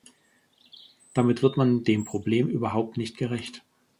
Damit wird man dem Problem überhaupt nicht gerecht.